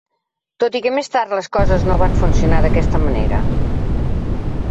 Tot i que més tard, les coses no van funcionar d'aquesta manera.